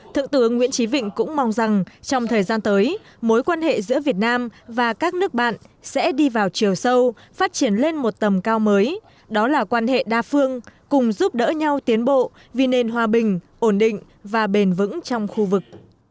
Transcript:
thượng tướng nguyễn trí vịnh cũng mong rằng trong thời gian tới mối quan hệ giữa việt nam và các nước bạn sẽ đi vào chiều sâu phát triển lên một tầm cao mới đó là quan hệ đa phương cùng giúp đỡ nhau tiến bộ vì nền hòa bình ổn định và bền vững trong khu vực